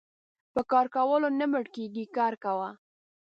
په کار کولو نه مړکيږي کار کوه .